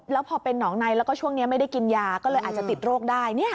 แล้วพอเป็นหนองในแล้วก็ช่วงนี้ไม่ได้กินยาก็เลยอาจจะติดโรคได้